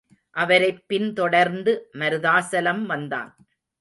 அவரைப் பின்தொடர்ந்து மருதாசலம் வந்தான்.